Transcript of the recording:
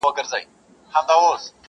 اه څه نا پوه وم څه ساده دي کړمه.